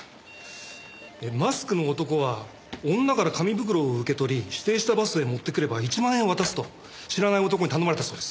マスクの男は女から紙袋を受け取り指定したバスへ持ってくれば１万円を渡すと知らない男に頼まれたそうです。